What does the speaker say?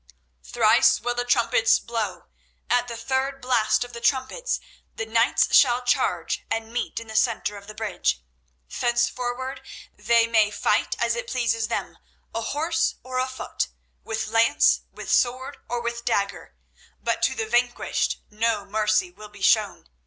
"Thrice will the trumpets blow. At the third blast of the trumpets the knights shall charge and meet in the centre of the bridge. Thenceforward they may fight as it pleases them, ahorse, or afoot, with lance, with sword, or with dagger, but to the vanquished no mercy will be shown.